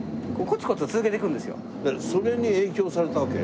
それに影響されたわけ？